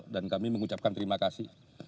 dan kami mengucapkan terima kasih